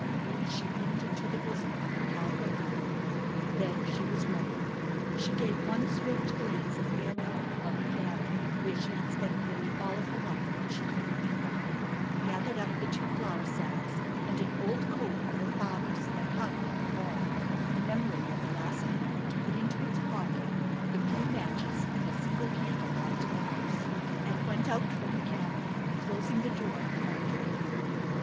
These she pinned into the bosom of her calico gown. Then she was ready. She gave one swift glance of farewell about the cabin where she had spent nearly all of her life that she could remember, gathered up the two flour sacks and an old coat of her father's that hung on the wall, remembering at the last minute to put into its pocket the few matches and the single candle left in the house, and went out from the cabin, closing the door behind her.